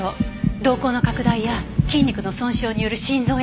瞳孔の拡大や筋肉の損傷による心臓への負担。